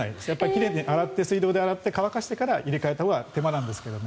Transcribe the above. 奇麗に水道で洗って乾かしてから入れ替えるのが手間なんですけど。